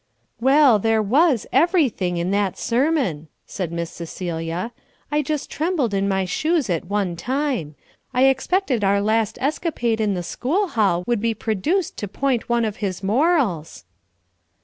"Well, there was everything in that sermon," said Miss Cecilia. "I just trembled in my shoes at one time. I expected our last escapade in the school hall would be produced to point one of his morals."